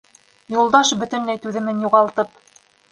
Юлдаш, бөтөнләй түҙемен юғалтып: